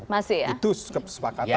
masih ya itu sepakatannya